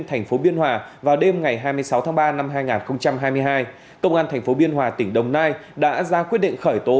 thành phố biên hòa vào đêm ngày hai mươi sáu tháng ba năm hai nghìn hai mươi hai công an tp biên hòa tỉnh đồng nai đã ra quyết định khởi tố